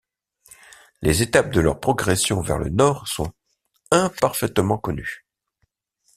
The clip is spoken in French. Les étapes de leur progression vers le nord sont imparfaitement connues.